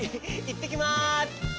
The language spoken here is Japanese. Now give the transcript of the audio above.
いってきます！